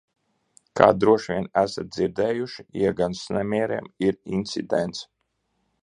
Kā droši vien esat dzirdējuši – iegansts nemieriem ir incidents.